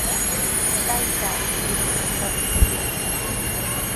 Taytaa kutimunantami shuyaykaa.